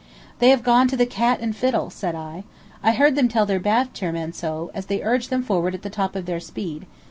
"They have gone to the Cat and Fiddle," said I. "I heard them tell their bath chair men so, as they urged them forward at the top of their speed.